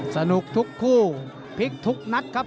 สนุกทุกคู่พลิกทุกนัดครับ